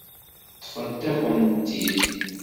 Ṭṭfent-akent-t-id.